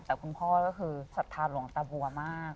แต่คุณพ่อก็คือศรัทธาหลวงตาบัวมาก